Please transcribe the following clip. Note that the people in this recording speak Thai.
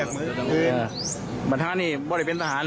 คุณผู้ชมฟังเสียงผู้ต้องหากันหน่อยนะคะ